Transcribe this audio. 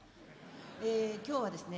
え今日はですね